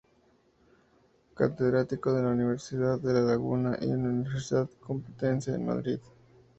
Catedrático en la Universidad de La Laguna y la Universidad Complutense de Madrid.